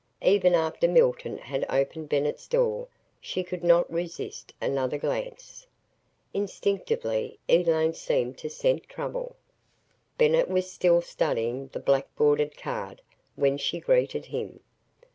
Even after Milton had opened Bennett's door, she could not resist another glance. Instinctively Elaine seemed to scent trouble. Bennett was still studying the black bordered card, when she greeted him.